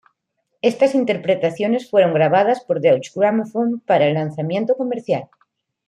Estas interpretaciones fueron grabadas por Deutsche Grammophon para el lanzamiento comercial.